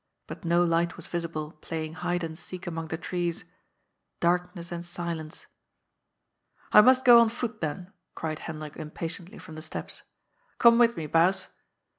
But no light was visible playing hide and seek among the trees. Darkness and silence. " I must go on foot, then,'* cried Hendrik impatiently from the steps. " Come with me. Baas."